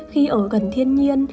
khi ở gần thiên nhiên